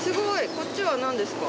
こっちは何ですか？